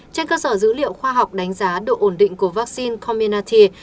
trên cơ sở dữ liệu khoa học đánh giá độ ổn định của vaccine commenati